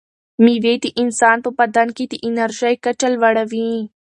مېوې د انسان په بدن کې د انرژۍ کچه لوړوي.